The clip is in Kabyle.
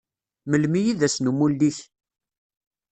Melmi i d ass n umuli-k?